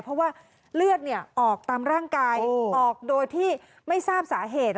เพราะว่าเลือดออกตามร่างกายออกโดยที่ไม่ทราบสาเหตุ